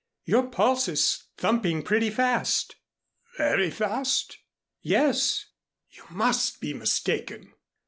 Your pulse is thumping pretty fast." "Very fast?" "Yes." "You must be mistaken."